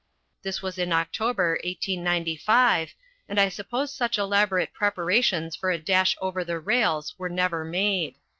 This was in October, 1895, and I suppose such elaborate preparations for a dash over the rails were never made.